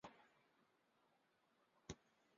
太田川是流经广岛县的一级河川之主流。